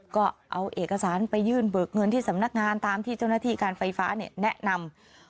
ก็เอาเอกสารไปยื่นเบิกเงินที่สำนักงานตามที่เจ้าหน้าที่การไฟฟ้าแนะนำ